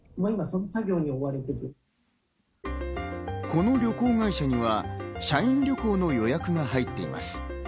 この旅行会社には社員旅行の予約が入っています。